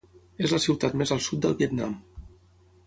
És la ciutat més al sud del Vietnam.